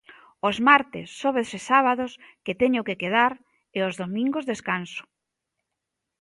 "os martes, xoves e sábados, que teño que quedar, e os domingos descanso"."